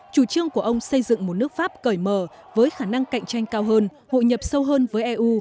chủ trương của ông xây dựng một nước pháp cởi mở với khả năng cạnh tranh cao hơn hội nhập sâu hơn với eu